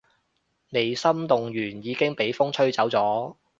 未心動完已經畀風吹走咗